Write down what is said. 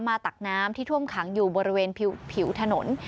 ตักน้ำที่ท่วมขังอยู่บริเวณผิวถนน